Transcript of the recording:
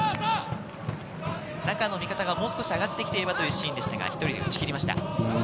中の味方がもう少し上がってきていればというシーンでしたが、１人で打ち切りました。